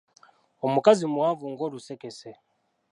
Omukazi muwanvu nga Olusekese.